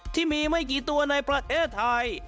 ที่มีไม่กี่ตัวในประเทศไทย